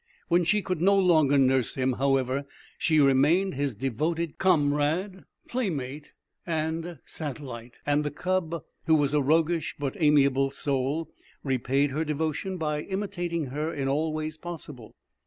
When she could no longer nurse him, however, she remained his devoted comrade, playmate, satellite; and the cub, who was a roguish but amiable soul, repaid her devotion by imitating her in all ways possible.